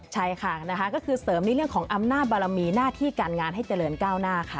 ใช่ค่ะนะคะก็คือเสริมในเรื่องของอำนาจบารมีหน้าที่การงานให้เจริญก้าวหน้าค่ะ